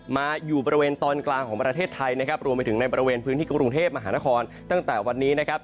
มาอยู่บริเวณตอนกลางของประเทศไทยนะครับรวมไปถึงในบริเวณพื้นที่กรุงเทพมหานครตั้งแต่วันนี้นะครับ